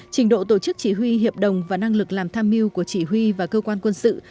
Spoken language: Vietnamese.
trình độ tổ chức chỉ huy hiệp đồng và năng lực làm tham mưu của chỉ huy và cơ quan quân sự